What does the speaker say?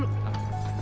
di sini pak